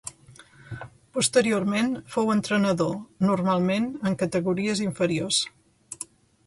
Posteriorment fou entrenador, normalment en categories inferiors.